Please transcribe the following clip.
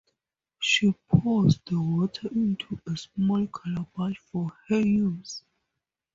She pours the water into a small calabash for her use.